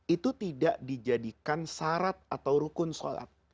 itu tidak dijadikan syarat atau rukun sholat